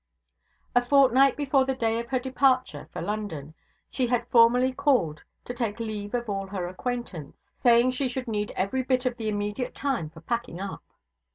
A fortnight before the day of her departure for London, she had formally called to take leave of all her acquaintance; saying she should need every bit of the intermediate time for packing up.